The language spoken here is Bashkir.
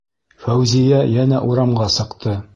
Фәүзиә йәнә урамға сыҡты.